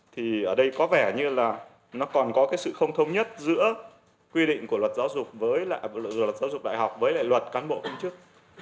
thì ở đây có vẻ như là nó còn có cái sự không thống nhất giữa quy định của luật giáo dục đại học với lại luật cán bộ công chức